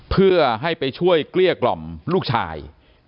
เพื่อให้ไปช่วยเกลี้ยกล่อมลูกชาย